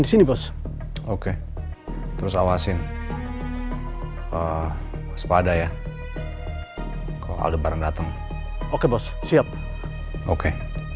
di sini bos oke terus awasin waspada ya kalau ada barang datang oke bos siap oke